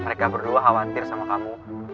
mereka berdua khawatir sama kamu